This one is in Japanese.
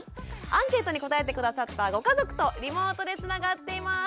アンケートに答えて下さったご家族とリモートでつながっています。